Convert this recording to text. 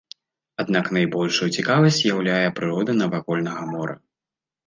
Аднак найбольшую цікавасць уяўляе прырода навакольнага мора.